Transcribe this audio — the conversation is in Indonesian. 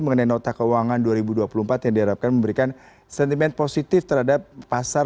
mengenai nota keuangan dua ribu dua puluh empat yang diharapkan memberikan sentimen positif terhadap pasar